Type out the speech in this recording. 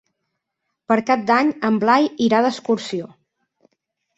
Per Cap d'Any en Blai irà d'excursió.